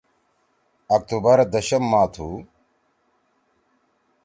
اکتوبر دشم ماہ تُھو۔